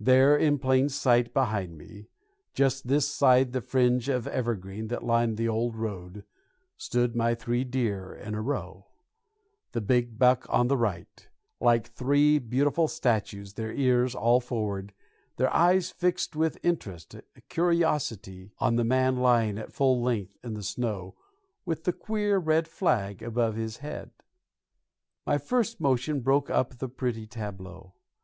There in plain sight behind me, just this side the fringe of evergreen that lined the old road, stood my three deer in a row the big buck on the right like three beautiful statues, their ears all forward, their eyes fixed with intensest curiosity on the man lying at full length in the snow with the queer red flag above his head. My first motion broke up the pretty tableau.